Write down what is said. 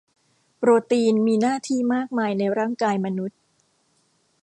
โปรตีนมีหน้าที่มากมายในร่างกายมนุษย์